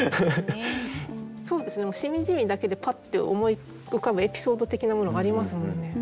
そうですね「しみじみ」だけでパッて思い浮かぶエピソード的なものがありますもんね。